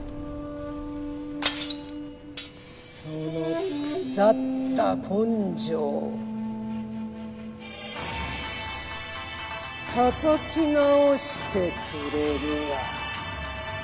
その腐った根性たたき直してくれるわ。